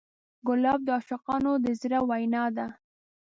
ګلاب د عاشقانو د زړه وینا ده.